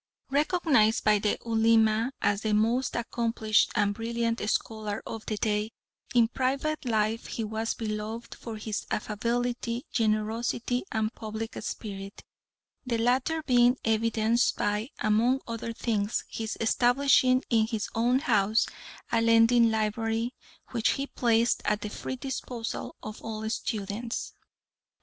Recognised by the Ulema as the most accomplished and brilliant scholar of the day, in private life he was beloved for his affability, generosity, and public spirit, the latter being evidenced by, among other things, his establishing in his own house a lending library, which he placed at the free disposal of all students.